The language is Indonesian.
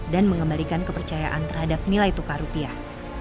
dan mengembalikan kepercayaan terhadap nilai tukar rupiah